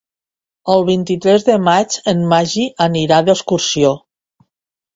El vint-i-tres de maig en Magí anirà d'excursió.